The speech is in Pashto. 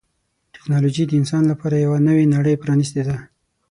ټکنالوجي د انسان لپاره یوه نوې نړۍ پرانستې ده.